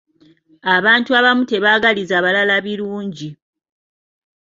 Abantu abamu tebaagaliza balala birungi.